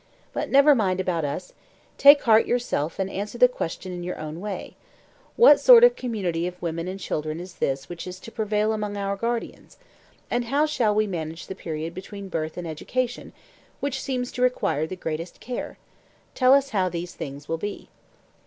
But never mind about us; take heart yourself and answer the question in your own way: What sort of community of women and children is this which is to prevail among our guardians? and how shall we manage the period between birth and education, which seems to require the greatest care? Tell us how these things will be.